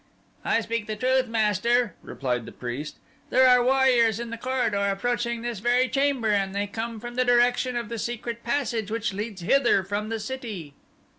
"I speak the truth, master," replied the priest, "there are warriors in the corridor approaching this very chamber, and they come from the direction of the secret passage which leads hither from the city."